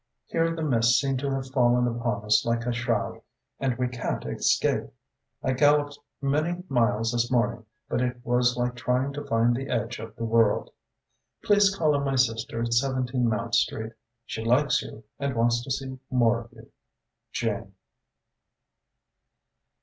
Here the mists seem to have fallen upon us like a shroud, and we can't escape. I galloped many miles this morning, but it was like trying to find the edge of the world. Please call on my sister at 17 Mount Street. She likes you and wants to see more of you. JANE.